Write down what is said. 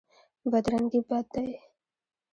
بدرنګي بد دی.